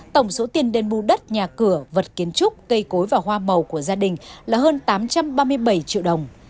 tổng số tiền đền bù đất nhà cửa vật kiến trúc cây cối và hoa màu của gia đình là hơn tám trăm ba mươi bảy triệu đồng